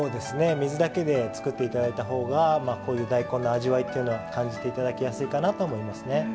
水だけで作って頂いたほうがこういう大根の味わいっていうのは感じて頂きやすいかなと思いますね。